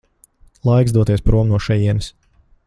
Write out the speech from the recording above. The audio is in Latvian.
Laiks doties prom no šejienes.